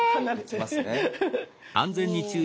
いきますね。